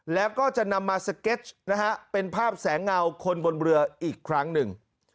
แล้วก็จะนำมาสเก็ตนะฮะเป็นภาพแสงเงาคนบนเรืออีกครั้งหนึ่ง